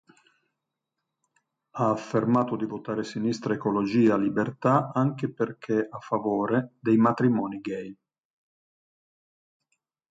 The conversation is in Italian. Ha affermato di votare Sinistra Ecologia Libertà anche perché a favore dei matrimoni gay.